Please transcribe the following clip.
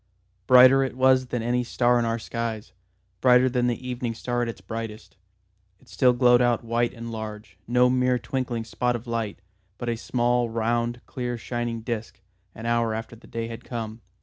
Brighter it was than any star in our skies; brighter than the evening star at its brightest. It still glowed out white and large, no mere twinkling spot of light, but a small round clear shining disc, an hour after the day had come.